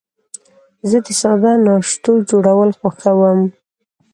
زه د ساده ناشتو جوړول خوښوم.